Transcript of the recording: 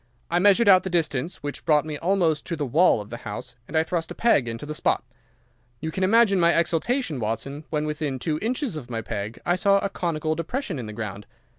I measured out the distance, which brought me almost to the wall of the house, and I thrust a peg into the spot. You can imagine my exultation, Watson, when within two inches of my peg I saw a conical depression in the ground.